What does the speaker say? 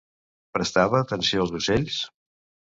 Prestava atenció als ocells?